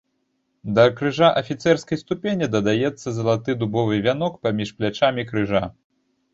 Да крыжа афіцэрскай ступені дадаецца залаты дубовы вянок паміж плячамі крыжа.